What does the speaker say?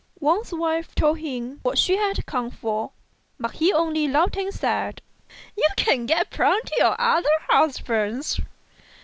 Wang's wife told him what she had come for, but he only laughed and said, "You can get plenty of other husbands.